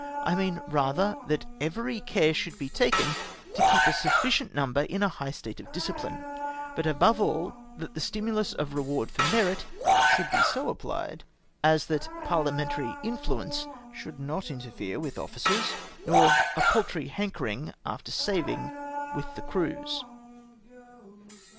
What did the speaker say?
I mean, rather, that every care should be taken to keep a sufficient number in a liigh state of disciphne ; but above all, that the stimulus of reward for merit should be so apphed, as that parha mentary mfluence should not interfere with officers, nor a paltry hankermg after saving with the crews.